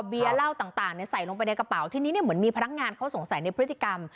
เบียร์เหล้าต่างใส่ลงไปในกระเป๋าทีนี้เนี่ยเหมือนมีพนักงานเขาสงสัยในพฤติกรรม